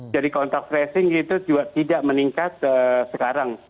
jadi kontak tracing itu juga tidak meningkat sekarang